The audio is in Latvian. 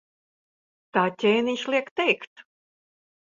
Tā ķēniņš liek teikt.